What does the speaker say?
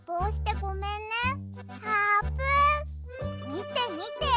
みてみて！